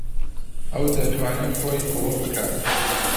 ئەو دەتوانێت خۆی ئەوە بکات.